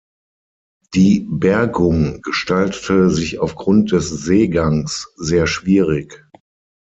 Die Bergung gestaltete sich aufgrund des Seegangs sehr schwierig.